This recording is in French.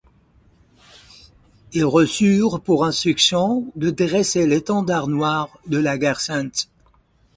Ils reçurent pour instruction de dresser l'étendard noir de la guerre sainte.